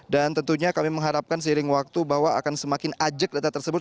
dan tentunya kami mengharapkan seiring waktu bahwa akan semakin ajak data tersebut